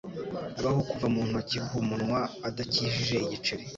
Abaho kuva mu ntoki ku munwa adakijije igiceri.